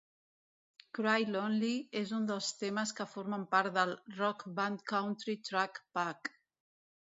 "Cry Lonely" és un dels temes que formen part del "Rock Band Country Track Pack".